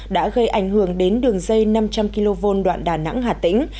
đã gây ảnh hưởng đến đường dây năm trăm linh kv đoạn đà nẵng hà tĩnh